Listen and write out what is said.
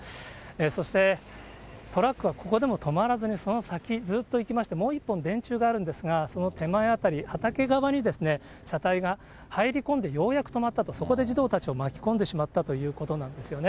そしてトラックはここでも止まらずに、その先、ずっといきまして、もう１本電柱があるんですが、その手前辺り、畑側に車体が入り込んで、ようやく止まったと、そこで児童たちを巻き込んでしまったということなんですよね。